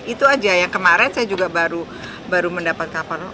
itu aja yang kemarin saya juga baru mendapatkan